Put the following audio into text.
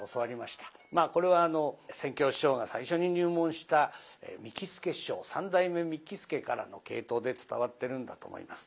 これは扇橋師匠が最初に入門した三木助師匠三代目三木助からの系統で伝わってるんだと思います。